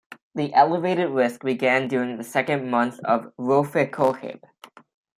The elevated risk began during the second month on rofecoxib.